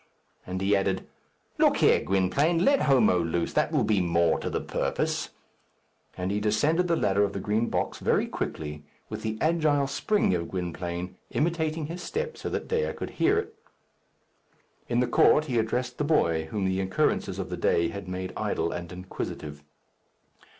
And he added, "Look here, Gwynplaine! Let Homo loose; that will be more to the purpose." And he descended the ladder of the Green Box very quickly, with the agile spring of Gwynplaine, imitating his step so that Dea could hear it. In the court he addressed the boy, whom the occurrences of the day had made idle and inquisitive.